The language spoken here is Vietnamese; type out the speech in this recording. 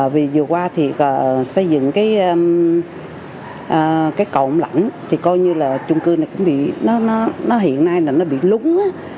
vì vừa qua xây dựng cầu ổng lãnh chung cư hiện nay bị lúng